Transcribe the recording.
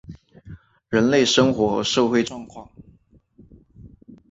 人类生活和社会状况